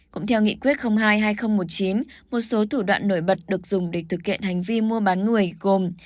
cũng theo nghị quyết hai hai nghìn một mươi chín một số thủ đoạn nổi bật được dùng để thực hiện hành vi mua bán người gồm